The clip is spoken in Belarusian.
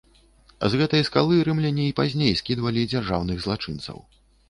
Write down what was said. З гэтай скалы рымляне і пазней скідвалі дзяржаўных злачынцаў.